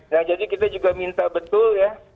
nah jadi kita juga minta betul ya